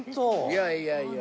いやいやいや。